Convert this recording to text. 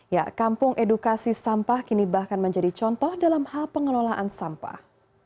ya kampung edukasi sampah kini bahkan menjadi contoh dalam hal pengelolaan sampah